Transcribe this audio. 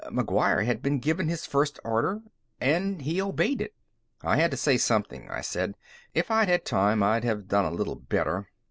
McGuire had been given his first order, and he obeyed it."' "I had to say something," I said. "If I'd had time, I'd have done a little better."